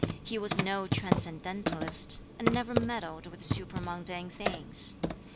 He was no transcendentalist, and never meddled with supramundane things.